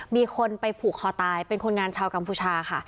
มีคนไปผูกคอตายเป็นคนงานชาวกัมพูชาค่ะ